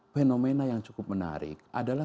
fenomena yang cukup menarik adalah